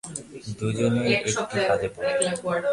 দুজনই একটি ফাঁদে পড়ে।